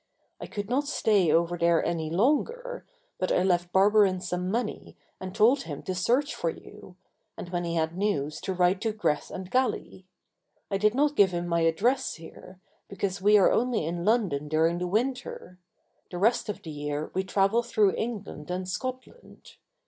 I could not stay over there any longer, but I left Barberin some money and told him to search for you, and when he had news to write to Greth and Galley. I did not give him my address here, because we are only in London during the winter; the rest of the year we travel through England and Scotland.